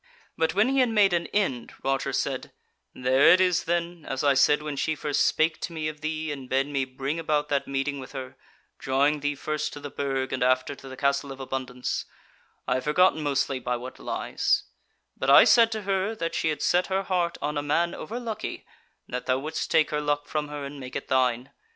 But when he had made an end, Roger said: "There it is, then, as I said when she first spake to me of thee and bade me bring about that meeting with her, drawing thee first to the Burg and after to the Castle of Abundance, I have forgotten mostly by what lies; but I said to her that she had set her heart on a man over lucky, and that thou wouldst take her luck from her and make it thine.